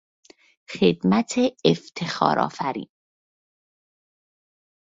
خدمت افتخار آفرین